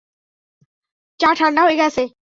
চা ঠান্ডা হয়ে গেছে।